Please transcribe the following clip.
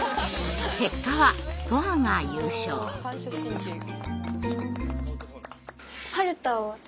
結果は反射神経が。